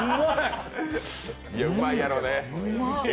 うまいやろね。